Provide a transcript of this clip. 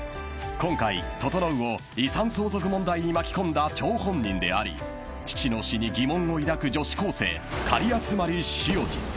［今回整を遺産相続問題に巻き込んだ張本人であり父の死に疑問を抱く女子高生狩集汐路］